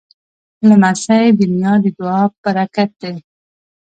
لمسی د نیا د دعا پرکت دی.